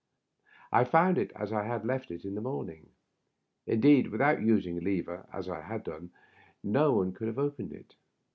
I found it as I had left it in the morning. Indeed, without using a lever, as I had done, no one could have opened it.